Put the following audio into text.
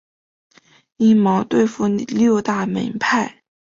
阴谋对付六大门派。